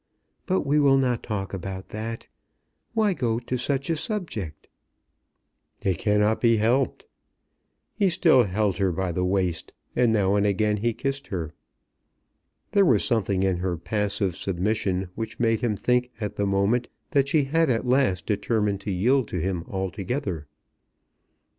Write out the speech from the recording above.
But we will not talk about that. Why go to such a subject?" "It cannot be helped." He still held her by the waist, and now again he kissed her. There was something in her passive submission which made him think at the moment that she had at last determined to yield to him altogether.